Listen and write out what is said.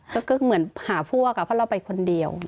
ก็คือเหมือนหาพวกเพราะเราไปคนเดียว